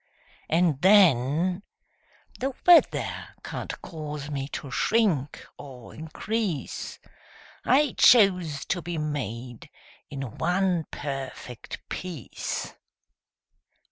And, then, The weather can't cause me to shrink or increase: I chose to be made in one perfect piece!